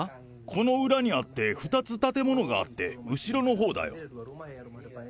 この裏にあって、２つ建物があって、後ろのほうだよ。